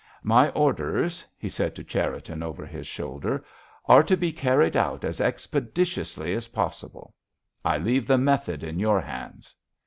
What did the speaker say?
"My orders," he said to Cherriton, over his shoulder, "are to be carried out as expeditiously as possible. I leave the method in your hands."